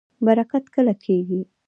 برکت کله کیږي؟